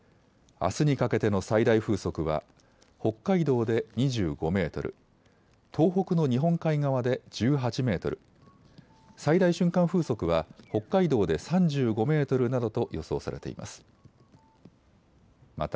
あすにかけての最大風速は北海道で２５メートル、東北の日本海側で１８メートル、最大瞬間風速は北海道で３５メートルなどと予想されています。